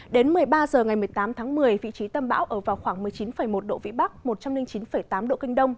đến một mươi ba h ngày một mươi tám tháng một mươi vị trí tâm bão ở vào khoảng một mươi chín một độ vĩ bắc một trăm linh chín tám độ kinh đông